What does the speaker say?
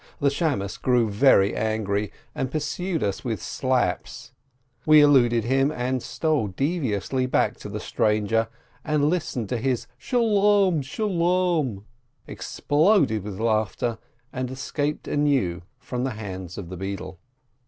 The beadle grew very angry, and pursued us with slaps. We eluded him, and stole deviously back to the stranger, listened to his "Shalom ! Shalom !" exploded with laughter, and escaped anew from the hands of the beadle.